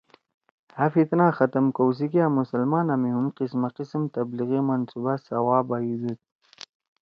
ہأ فتنہ ختم کؤ سی کیا مسلمانا می ہُم قِسماقِسم تبلیغی منصوبہ سوا بیُودُود